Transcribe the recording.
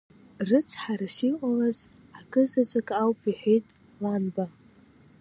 Рыцҳарас иҟалаз акызаҵәык ауп, – иҳәеит Ланба.